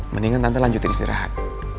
mendingan tante lanjutin istirahat